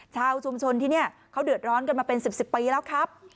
ชาวชุมชนที่นี่เขาเดือดร้อนกันมาเป็น๑๐ปีแล้วครับ